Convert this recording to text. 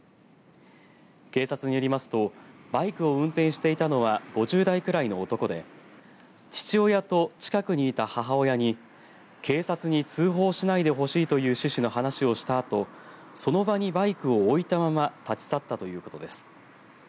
警察によりますとバイクを運転していたのは５０代くらいの男で父親と近くにいた母親に警察に通報しないでほしいという趣旨の話をしたあとその場にバイクを置いたまま立ち去ったということです。